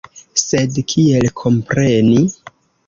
Sed kiel kompreni?